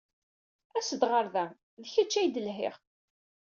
As-d ɣer da! D kecc ay d-lhiɣ.